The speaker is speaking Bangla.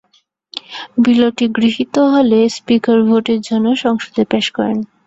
বিলটি গৃহীত হলে স্পীকার ভোটের জন্য সংসদে পেশ করেন।